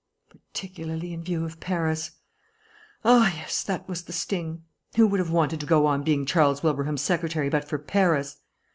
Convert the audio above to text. Particularly in view of Paris. Ah, yes, that was the sting. Who would have wanted to go on being Charles Wilbraham's secretary but for Paris?